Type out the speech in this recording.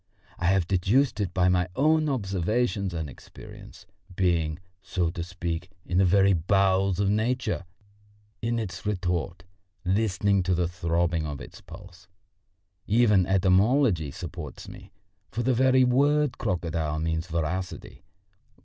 I have deduced it by my own observation and experience, being, so to say, in the very bowels of Nature, in its retort, listening to the throbbing of its pulse. Even etymology supports me, for the very word crocodile means voracity.